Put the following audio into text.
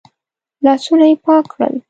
لاسونه يې پاک کړل.